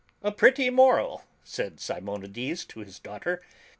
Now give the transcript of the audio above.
"A pretty moral," said Simonides to his daughter.